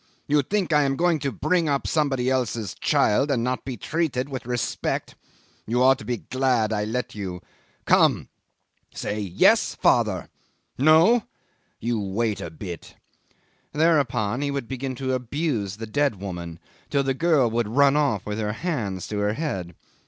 You think I am going to bring up somebody else's child and not be treated with respect? You ought to be glad I let you. Come say Yes, father. ... No? ... You wait a bit." Thereupon he would begin to abuse the dead woman, till the girl would run off with her hands to her head.